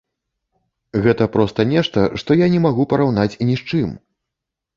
Гэта проста нешта, што я не магу параўнаць ні з чым!